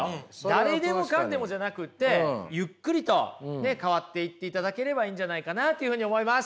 誰でも彼でもじゃなくてゆっくりとね変わっていっていただければいいんじゃないかなというふうに思います。